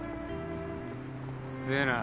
うっせえな。